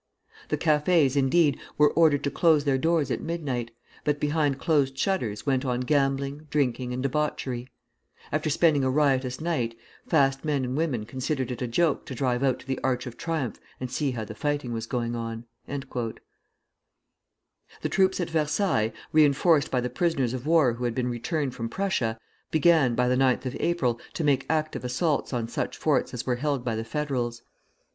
The cafés, indeed, were ordered to close their doors at midnight, but behind closed shutters went on gambling, drinking, and debauchery. After spending a riotous night, fast men and women considered it a joke to drive out to the Arch of Triumph and see how the fight was going on." The troops at Versailles, reinforced by the prisoners of war who had been returned from Prussia, began, by the 9th of April, to make active assaults on such forts as were held by the Federals.